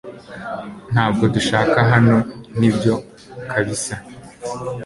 Ntabwo dushaka hano nibyo kabisa